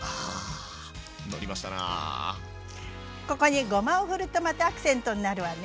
ああここにごまを振るとまたアクセントになるわね。